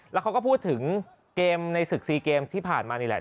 แล้วเขาก็พูดถึงเกมในศึก๔เกมที่ผ่านมานี่แหละ